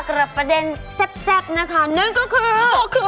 กับประเด็นแซ็บนะคะนั่นก็คือก็คือ